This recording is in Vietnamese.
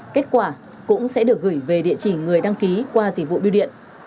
kết quả cũng sẽ được gửi về địa chỉ người đăng ký qua dịch vụ biêu điện